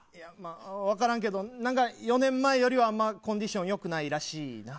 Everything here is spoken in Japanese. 分からんけど４年前よりコンディション良くないらしい。